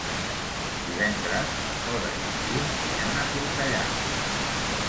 Divendres na Cora i en Guim iran a Tortellà.